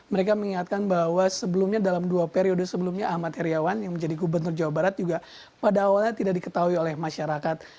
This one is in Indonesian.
mereka mengingatkan bahwa sebelumnya dalam dua periode sebelumnya ahmad heriawan yang menjadi gubernur jawa barat juga pada awalnya tidak diketahui oleh masyarakat